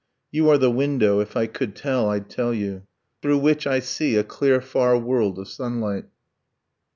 You are the window (if I could tell I'd tell you) Through which I see a clear far world of sunlight.